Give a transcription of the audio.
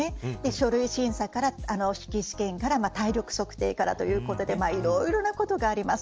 書類審査から筆記試験から体力測定からということでいろいろなことがあります。